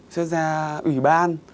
sẽ ra ủy ban